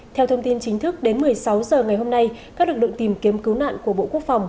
theo thông tin chính thức đến một mươi sáu h ngày hôm nay các lực lượng tìm kiếm cứu nạn của bộ quốc phòng